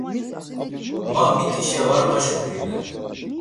Ma mitişe var maşǩurinen.